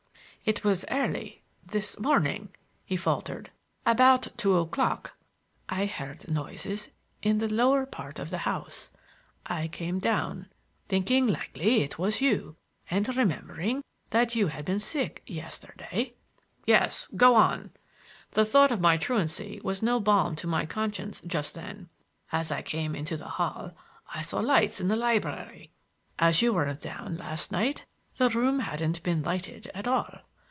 "It was early this morning," he faltered, "about two o'clock, I heard noises in the lower part of the house. I came down thinking likely it was you, and remembering that you had been sick yesterday—" "Yes, go on." The thought of my truancy was no balm to my conscience just then. "As I came into the hall, I saw lights in the library. As you weren't down last night the room hadn't been lighted at all.